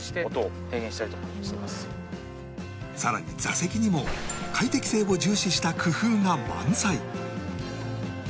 さらに座席にも快適性を重視した工夫が満載